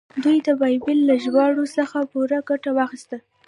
دوی د بایبل له ژباړو څخه پوره ګټه واخیسته.